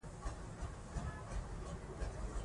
رضا پهلوي ځان واک ته په تمه نه بولي.